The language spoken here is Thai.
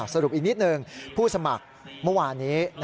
สรุปอีกนิดหนึ่งผู้สมัครเมื่อวานนี้